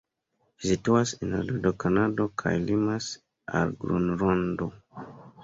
Ĝi situas en nordo de Kanado kaj limas al Gronlando.